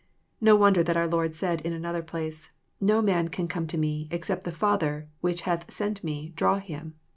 No wonder that our Lord said in another plade, " No man can come to me, except the Father which hath sent me draw him."